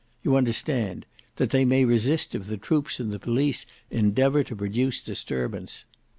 You understand: that they may resist if the troops and the police endeavour to produce disturbance."